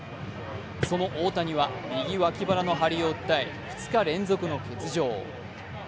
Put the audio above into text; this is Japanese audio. その大谷は右脇腹の張りを訴え２日連続の欠場。